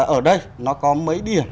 ở đây nó có mấy điểm